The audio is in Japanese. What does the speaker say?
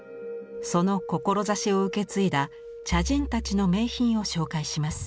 その志を受け継いだ茶人たちの名品を紹介します。